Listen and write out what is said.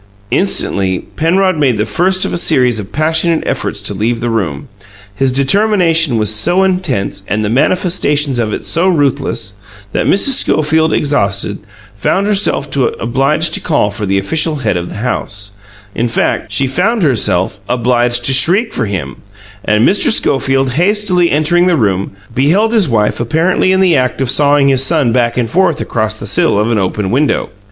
Instantly Penrod made the first of a series of passionate efforts to leave the room. His determination was so intense and the manifestations of it were so ruthless, that Mrs. Schofield, exhausted, found herself obliged to call for the official head of the house in fact, she found herself obliged to shriek for him; and Mr. Schofield, hastily entering the room, beheld his wife apparently in the act of sawing his son back and forth across the sill of an open window.